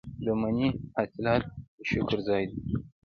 د مني حاصلات د شکر ځای دی.